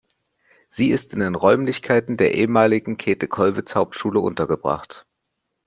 Sie ist in den Räumlichkeiten der ehemaligen Käthe-Kollwitz-Hauptschule untergebracht.